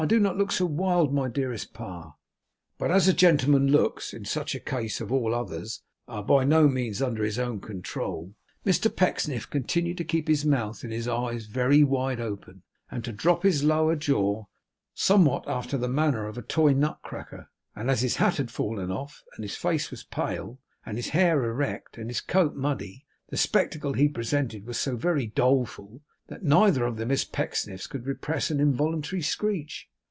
Do not look so wild my dearest Pa!' But as a gentleman's looks, in such a case of all others, are by no means under his own control, Mr Pecksniff continued to keep his mouth and his eyes very wide open, and to drop his lower jaw, somewhat after the manner of a toy nut cracker; and as his hat had fallen off, and his face was pale, and his hair erect, and his coat muddy, the spectacle he presented was so very doleful, that neither of the Miss Pecksniffs could repress an involuntary screech.